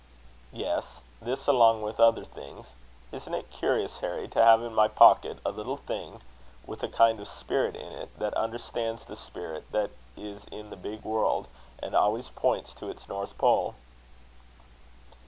"Yes; this along with other things. Isn't it curious, Harry, to have in my pocket a little thing with a kind of spirit in it, that understands the spirit that is in the big world, and always points to its North Pole?"